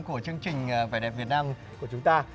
của chương trình vẻ đẹp việt nam của chúng ta